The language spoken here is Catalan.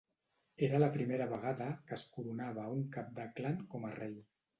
Era la primera vegada que es coronava a un cap de clan com a rei.